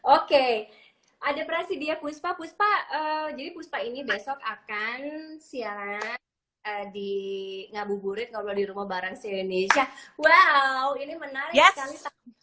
oke ada prasidya puspa puspa jadi puspa ini besok akan siang di ngabuburit ngobrol di rumah bareng si indonesia wow ini menarik sekali